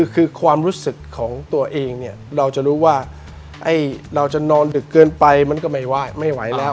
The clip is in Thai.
คือความรู้สึกของตัวเองเนี่ยเราจะรู้ว่าเราจะนอนดึกเกินไปมันก็ไม่ไหวไม่ไหวแล้ว